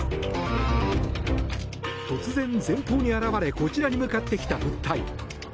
突然、前方に現れこちらに向かってきた物体。